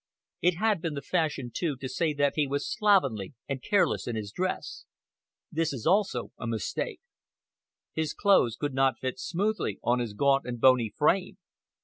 It has been the fashion, too, to say that he was slovenly, and careless in his dress. This also is a mistake. His clothes could not fit smoothly on his gaunt and bony frame.